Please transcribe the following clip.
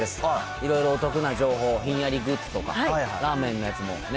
いろいろお得な情報、ひんやりグッズどか、ラーメンのやつもね。